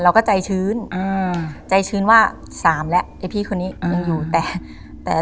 เราก็ใจชื้นอ่าใจชื้นว่าสามแล้วไอ้พี่คนนี้ยังอยู่แต่แต่